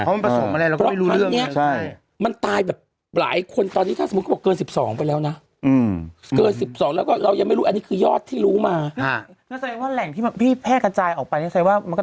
พอมันผสมอะไรเราก็ไม่รู้เรื่องใช่มันตายแบบหลายคน